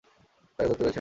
তাকে ধরতে পেরেছেন?